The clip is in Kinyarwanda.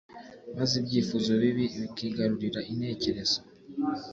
maze ibyifuzo bibi bikigarurira intekerezo